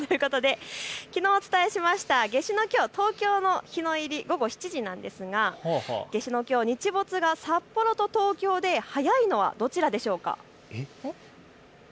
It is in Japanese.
きのう、お伝えしました夏至の東京の日の入り午後７時なんですが夏至のきょう、日没が札幌と東京で早いのはどちらでしょうか。